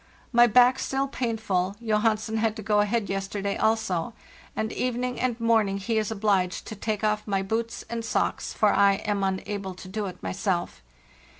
My back still painful, Johansen had to go ahead yesterday also; and evening and morning he is obliged to take off my boots and socks, for lam unable to do it myself.